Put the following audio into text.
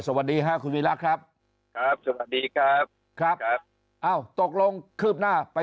สวัสดีค่ะคุณวีรักษ์ครับครับสวัสดีครับครับอ้าวตกลงคืบหน้าไป